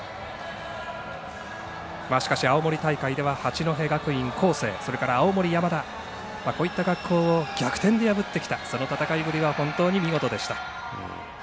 しかし、青森大会では八戸学院光星それから青森山田こういった学校を逆転で破ってきたその戦いぶりは本当に見事でした。